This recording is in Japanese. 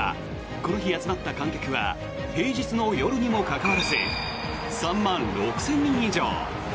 この日、集まった観客は平日の夜にもかかわらず３万６０００人以上。